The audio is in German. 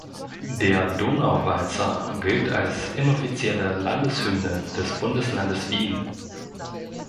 Der Donauwalzer gilt als inoffizielle Landeshymne des Bundeslandes Wien.